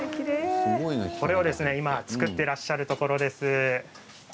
これを今作っていらっしゃるところです。